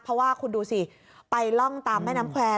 ไปร่องตามแม่น้ำแควร์